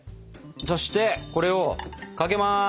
そしてこれをかけます！